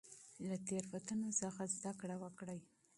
له تیروتنو څخه زده کړه وکړئ.